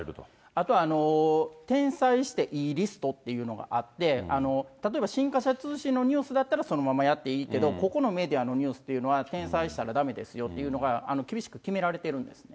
あと、転載していいリストっていうのがあって、例えば新華社通信のニュースだったらそのままやっていいけど、ここのメディアのニュースっていうのは転載したらだめですよというのが、厳しく決められてるんですね。